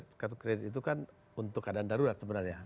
karena kartu kredit itu kan untuk keadaan darurat